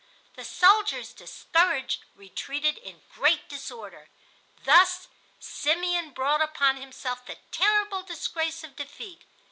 The soldiers, discouraged, retreated in great disorder. Thus Simeon brought upon himself the terrible disgrace of defeat.